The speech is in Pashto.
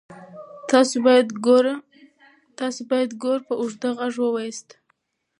تاسو باید ګور په اوږد غږ ووایاست.